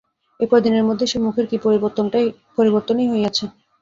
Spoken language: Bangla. এই কয়দিনের মধ্যে সে মুখের কী পরিবর্তনই হইয়াছে!